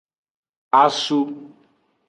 Asu.